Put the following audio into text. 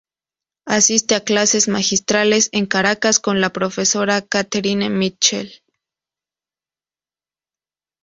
Asiste a clases magistrales en Caracas con la profesora Catherine Mitchel.